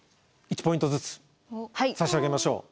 １ポイントずつ差し上げましょう。